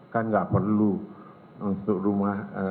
kan gak perlu untuk rumah lima